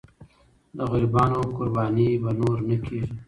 د غریبانو قرباني به نور نه کېږي.